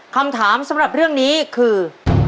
คำถามสำหรับเรื่องนี้คือ